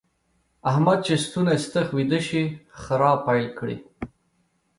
احمد چې ستونی ستخ ويده شي؛ خرا پيل کړي.